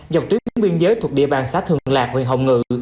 dọc tuyến biên giới thuộc địa bàn xã thường lạc huyện hồng ngự